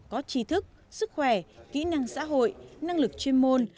có trí thức sức khỏe kỹ năng xã hội năng lực chuyên môn